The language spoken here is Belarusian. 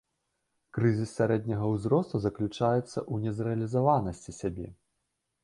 Крызіс сярэдняга ўзросту заключаецца ў незрэалізаванасці сябе.